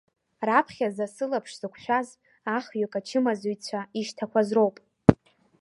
Раԥхьаӡа сылаԥш зықәшәаз ахҩык ачымазаҩцәа ишьҭақәаз роуп.